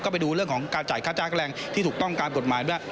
ก็ไปดูเรื่องของการจ่ายค่าจ้างแรงที่ถูกต้องตามกฎหมายด้วย